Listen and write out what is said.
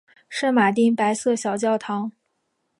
圣马丁白色小教堂。